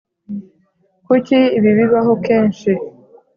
kuki ibi bibaho kenshi?